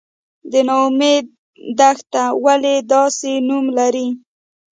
د نا امید دښته ولې داسې نوم لري؟